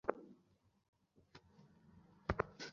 Upline দিয়ে train চলাচল শুরু করতে আরও দুই ঘণ্টার মতো সময় লাগবে।